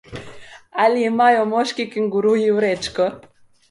Ali imajo moški kenguruji vrečko?